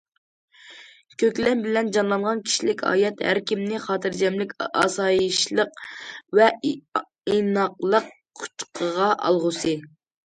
كۆكلەم بىلەن جانلانغان كىشىلىك ھايات ھەر كىمنى خاتىرجەملىك، ئاسايىشلىق ۋە ئىناقلىق قۇچىقىغا ئالغۇسى!